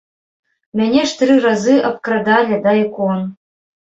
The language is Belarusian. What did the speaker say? Мяне ж тры разы абкрадалі, да ікон!